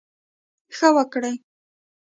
ښه وکړٸ.